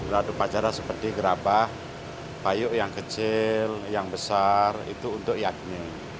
lalu pacara seperti gerabah payuk yang kecil yang besar itu untuk yakni